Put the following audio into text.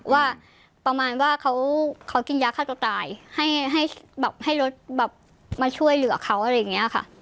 ว่าประมาณว่าเขากินยาฆ่าตัวตายให้แบบให้รถแบบมาช่วยเหลือเขาอะไรอย่างนี้ค่ะ